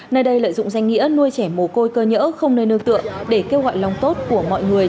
nơi đây lợi dụng danh nghĩa nuôi trẻ mồ côi cơ nhỡ không nơi nương tượng để kêu gọi lòng tốt của mọi người